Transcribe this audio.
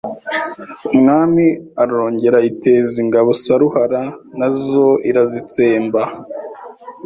Umwami arongera ayiteza ingabo Saruhara na zo irazitsemba